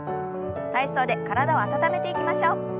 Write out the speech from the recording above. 体操で体を温めていきましょう。